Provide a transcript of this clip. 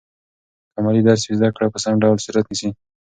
که عملي درس وي، زده کړه په سم ډول صورت نیسي.